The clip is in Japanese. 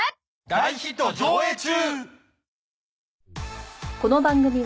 大ヒット上映中！